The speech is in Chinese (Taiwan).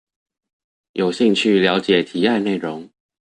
有興趣了解提案內容